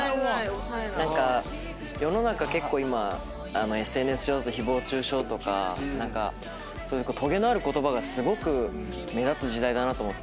何か世の中結構今ＳＮＳ上だと誹謗中傷とかそういうとげのある言葉がすごく目立つ時代だなと思って。